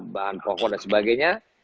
bahan pokok dan sebagainya